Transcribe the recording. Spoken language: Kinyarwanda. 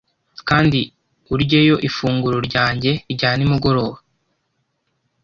kandi uryeyo ifunguro ryanjye rya nimugoroba.